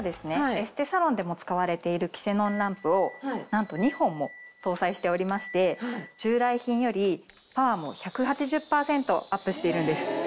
エステサロンでも使われているキセノンランプをなんと２本も搭載しておりまして従来品よりパワーも１８０％アップしているんです。